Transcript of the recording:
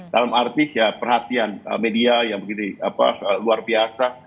dalam arti perhatian media yang luar biasa